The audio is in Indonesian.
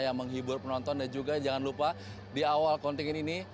yang menghibur penonton dan juga jangan lupa di awal kontingen ini